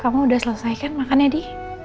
kamu udah selesai kan makan ya di